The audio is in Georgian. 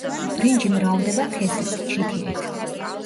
ბრინჯი მრავლდება თესლით, ჩითილით.